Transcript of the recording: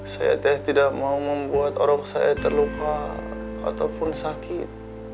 saya teh tidak mau membuat orang saya terluka ataupun sakit